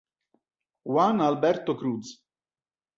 Juan Alberto Cruz